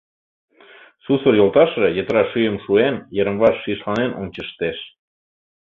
Сусыр йолташыже, йытыра шӱйым шуен, йырым-ваш шишланен ончыштеш.